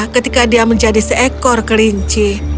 ketika dia menjadi seekor kelinci